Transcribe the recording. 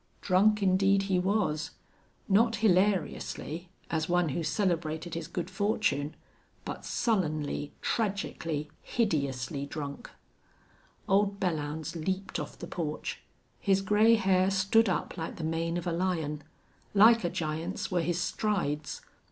Drunk indeed he was; not hilariously, as one who celebrated his good fortune, but sullenly, tragically, hideously drunk. Old Belllounds leaped off the porch. His gray hair stood up like the mane of a lion. Like a giant's were his strides.